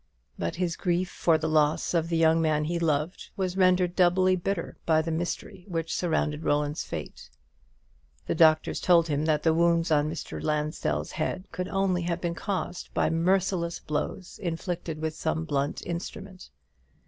But his grief for the loss of the young man he loved was rendered doubly bitter by the mystery which surrounded Roland's fate. The doctors told him that the wounds on Mr. Lansdell's head could only have been caused by merciless blows inflicted with some blunt instrument.